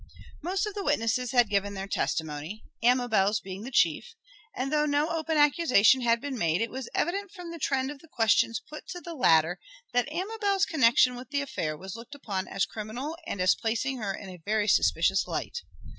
Most of the witnesses had given in their testimony, Amabel's being the chief, and though no open accusation had been made, it was evident from the trend of the questions put to the latter that Amabel's connection with the affair was looked upon as criminal and as placing her in a very suspicious light.